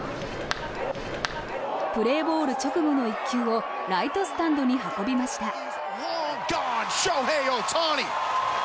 プレーボール直後の１球をライトスタンドに運びました。